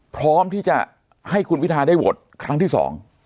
พร้อมที่จะให้คุณพิทาได้โหวตครั้งที่สอง